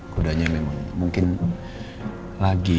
kudanya memang mungkin lagi